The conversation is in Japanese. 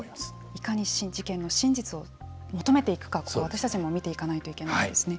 いかに事件の真実を求めていくか私たちも見ていかないといけないですね。